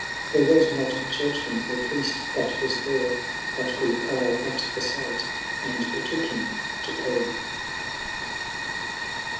There was not a churchman or priest that was there, But grew pale at the sight, and betook him to prayer.